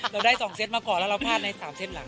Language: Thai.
เราได้๒เซตมาก่อนแล้วเราพลาดใน๓เซตหลัง